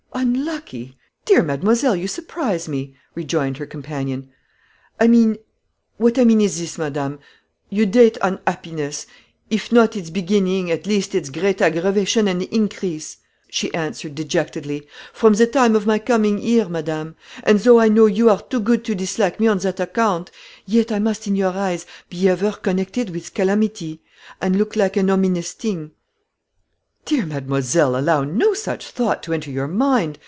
"Unlucky! Dear mademoiselle, you surprise me," rejoined her companion. "I mean what I mean is this, madame; you date unhappiness if not its beginning, at least its great aggravation and increase," she answered, dejectedly, "from the time of my coming here, madame; and though I know you are too good to dislike me on that account, yet I must, in your eyes, be ever connected with calamity, and look like an ominous thing." "Dear mademoiselle, allow no such thought to enter your mind.